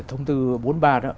thông tư bốn ba đó